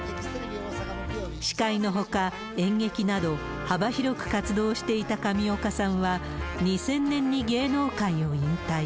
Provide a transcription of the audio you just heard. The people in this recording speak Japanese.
司会のほか、演劇など幅広く活動していた上岡さんは、２０００年に芸能界を引退。